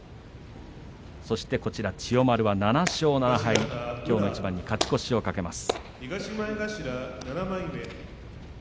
そして千代丸は７勝７敗きょうの一番に勝ち越しを懸けます。